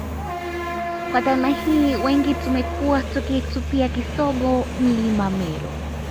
Kwa dhana hii wengi tumekuwa tukiutupia kisogo Mlima Meru